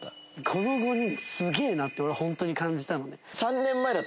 この５人すげえなって俺はホントに感じたのね。